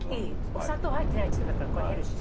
お砂糖入ってないっつってたからこれヘルシー。